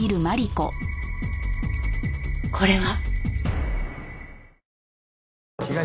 これは。